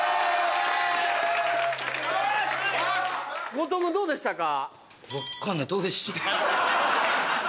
後藤もどうでしたか？